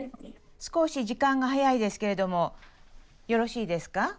少し時間が早いですけれどもよろしいですか？